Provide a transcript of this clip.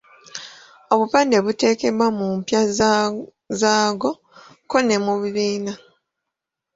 Obupande buteekebwa mu mpya zaago kko ne mu bibiina.